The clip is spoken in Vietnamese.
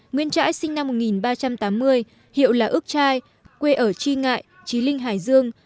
nguyễn trãi sinh năm một nghìn ba trăm tám mươi hiệu là ước trai quê ở tri ngại trí linh hải dương